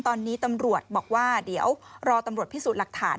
ตอนนี้ตำรวจบอกว่าเดี๋ยวรอตำรวจพิสูจน์หลักฐาน